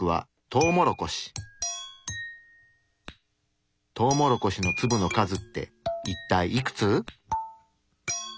トウモロコシの粒の数っていったいいくつ？